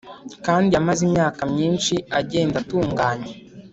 kandi yamaze imyaka myinshi agenda atunganye.